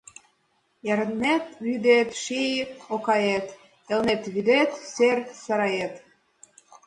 Элнет вӱдет — ший окаэт, Элнет вӱдет — шер сарает.